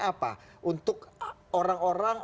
apa untuk orang orang